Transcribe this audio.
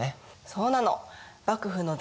そうなの。